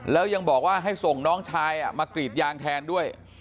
แล้วยังบอกว่าให้ส่งน้องชายมากรีดยางแทนด้วย